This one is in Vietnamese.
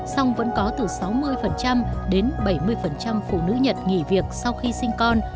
song vẫn có từ sáu mươi đến bảy mươi phụ nữ nhật nghỉ việc sau khi sinh con